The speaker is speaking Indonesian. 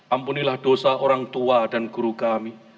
ampunilah dosa orang tua dan guru kami